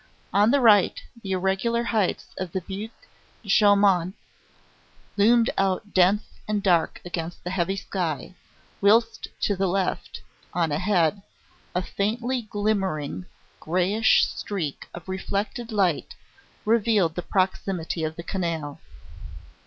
On the right, the irregular heights of the Buttes Chaumont loomed out dense and dark against the heavy sky, whilst to the left, on ahead, a faintly glimmering, greyish streak of reflected light revealed the proximity of the canal.